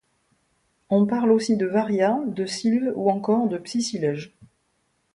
On parle aussi de varia, de silves ou encore de spicilège.